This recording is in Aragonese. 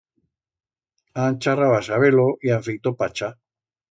Han charrau a-saber-lo y han feito pacha.